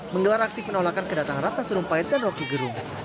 menggelar aksi penolakan kedatangan ratna sarumpait dan roky gerung